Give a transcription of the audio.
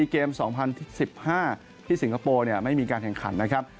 เกม๒๐๑๕ที่สิงคโปร์ไม่มีการแข่งขันนะครับ